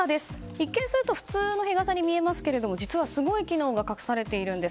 一見すると普通の日傘に見えますけれども実は、すごい機能が隠されているんです。